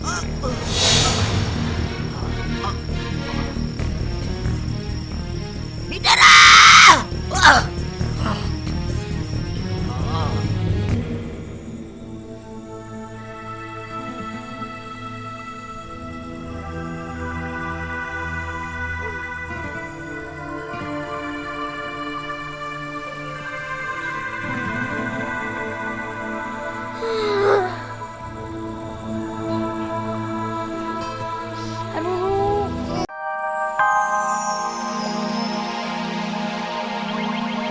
aku akan membunuhmu